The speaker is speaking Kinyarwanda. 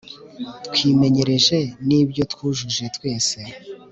twimenyereje nibyo twujuje twese